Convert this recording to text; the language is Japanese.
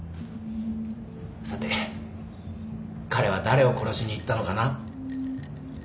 さて彼は誰を殺しに行ったのかな？